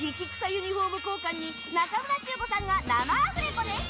ユニホーム交換に仲村宗悟さんが生アフレコです。